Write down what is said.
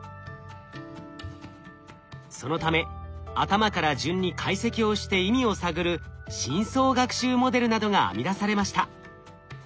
そのため頭から順に解析をして意味を探る深層学習モデルなどが編み出されました。